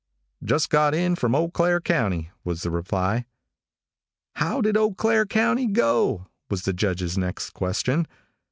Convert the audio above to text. "Just got in from Eau Claire county," was the reply. "How did Eau Claire county go?" was the Judge's next question.